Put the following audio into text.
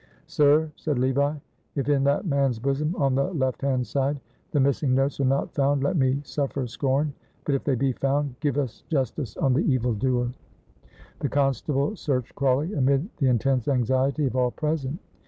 "Sir," said Levi, "if in that man's bosom, on the left hand side, the missing notes are not found, let me suffer scorn; but, if they be found, give us justice on the evil doer." The constable searched Crawley amid the intense anxiety of all present.